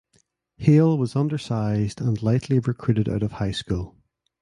Hale was undersized and lightly recruited out of high school.